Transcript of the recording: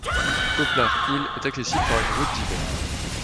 Poplar Hill est accessible par une route d'hiver.